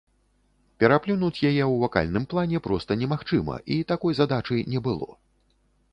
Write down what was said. Пераплюнуць яе ў вакальным плане проста немагчыма і такой задачы не было.